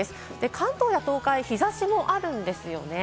関東や東海、日差しもあるんですよね。